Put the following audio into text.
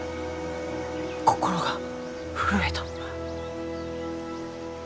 心が震えた。